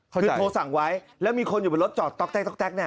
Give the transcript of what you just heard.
คือโทรสั่งไว้แล้วมีคนอยู่บนรถจอดต๊อกแต๊อกแก๊กเนี่ย